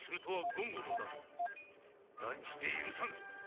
断じて許さんぞ！